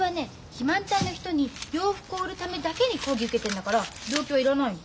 肥満体の人に洋服を売るためだけに講義受けてんだから病気はいらないの。